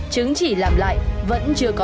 chứng chỉ làm lại vẫn chưa còn